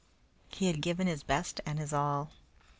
He had given his best and his all.